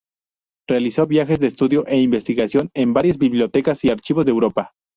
Realizó viajes de estudio e investigación en varias bibliotecas y archivos de Europa.